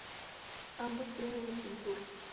Ambos creen en la censura.